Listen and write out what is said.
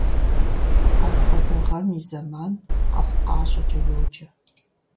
Апхуэдэ гъэм и зэман къэхъу-къащӀэкӀэ йоджэ.